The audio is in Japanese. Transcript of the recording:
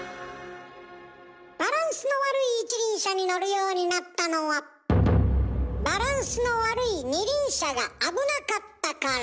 バランスの悪い一輪車に乗るようになったのはバランスの悪い二輪車が危なかったから。